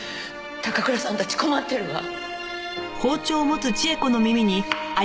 高倉さんたち困ってるわ！